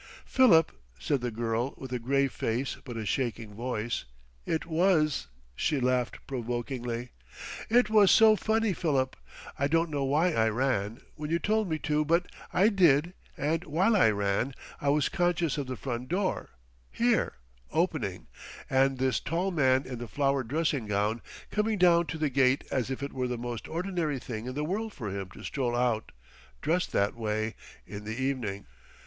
"Philip," said the girl with a grave face but a shaking voice, "it was." She laughed provokingly.... "It was so funny, Philip. I don't know why I ran, when you told me to, but I did; and while I ran, I was conscious of the front door, here, opening, and this tall man in the flowered dressing gown coming down to the gate as if it were the most ordinary thing in the world for him to stroll out, dressed that way, in the evening.